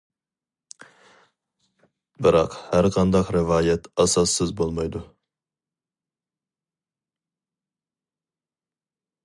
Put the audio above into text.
بىراق ھەر قانداق رىۋايەت ئاساسسىز بولمايدۇ.